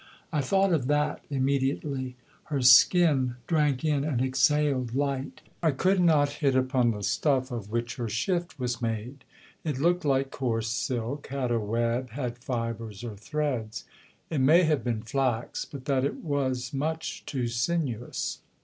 I thought of that immediately: her skin drank in and exhaled light. I could not hit upon the stuff of which her shift was made. It looked like coarse silk, had a web, had fibres or threads. It may have been flax, but that it was much too sinuous.